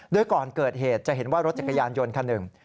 โดยก่อนเกิดเหตุจะเห็นว่ารถจักรยานยนต์คันหนึ่ง